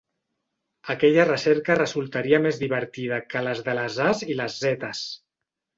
Aquella recerca resultaria més divertida que les de les as i les zetes.